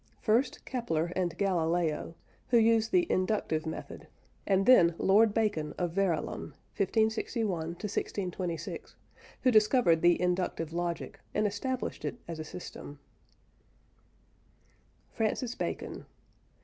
First, Kepler and Galileo, who used the "inductive" method, and then Lord Bacon of Verulam (1561 1626), who discovered the inductive logic, and established it as a system. FRANCIS BACON.